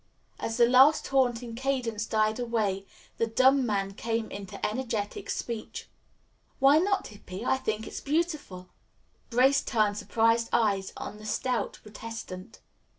As the last haunting cadence died away, the dumb man came into energetic speech. "Why not, Hippy? I think it is beautiful." Grace turned surprised eyes on the stout protestant.